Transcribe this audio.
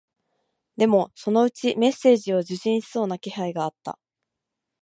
でも、そのうちメッセージを受信しそうな気配があった